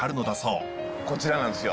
こちらなんですよ。